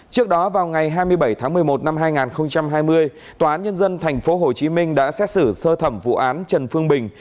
trước đó vào ngày hai mươi bảy tháng một mươi một năm hai nghìn hai mươi tòa án nhân dân tp hcm đã xét xử sơ thẩm vụ án trần phương bình